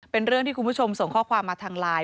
เป็นเรื่องที่คุณผู้ชมส่งข้อความมาทางไลน์